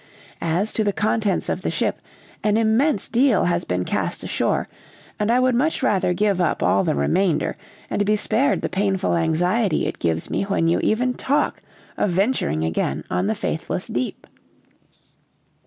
As to the contents of the ship, an immense deal has been cast ashore, and I would much rather give up all the remainder, and be spared the painful anxiety it gives me when you even talk of venturing again on the faithless deep."